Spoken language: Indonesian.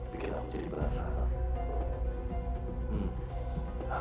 bikin aku jadi penasaran